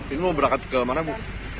ini mau berangkat ke mana bu